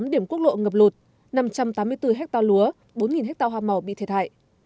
một trăm linh tám điểm quốc lộ ngập lụt năm trăm tám mươi bốn hectare lúa bốn hectare hoa màu bị thiệt hại